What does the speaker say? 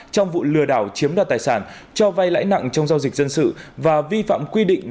trong vụ lừa đảo chiếm đoạt tài sản cho vay lãi nặng trong giao dịch dân sự và vi phạm quy định